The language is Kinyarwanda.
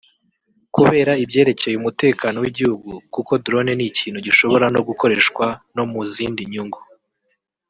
kubera ibyerekeye umutekano w’igihugu kuko drone ni ikintu gishobora no gukoreshwa no mu zindi nyungu